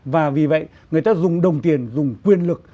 và vì vậy người ta dùng đồng tiền dùng quyền lực